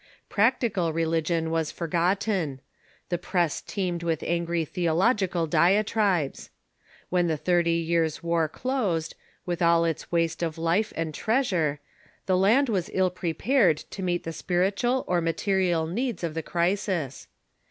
Practical religion was forgotten. The press teemed with angry theological diatribes. When the Thirty Years' War closed, with all its waste of life and treasure, the land was ill prepared to meet the spiritual or material needs of the crisis.